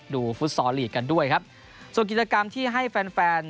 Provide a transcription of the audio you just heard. ฟุตซอลลีกกันด้วยครับส่วนกิจกรรมที่ให้แฟนแฟน